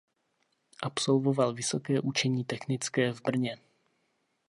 Absolvoval Vysoké učení technické v Brně.